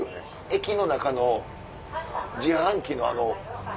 駅の中の自販機のあの。